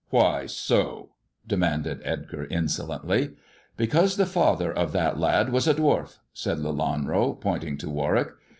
" Why so ]" demanded Edgar insolently. "Because the father of that lad was a dwarf," said Lelanro, pointing to Warwick.